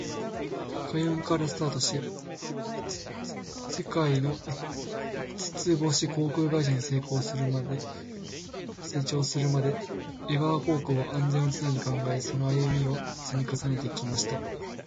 海運からスタートし、世界の五つ星航空会社に成長するまで、エバー航空は「安全」を常に考え、その歩みを積み重ねてきました。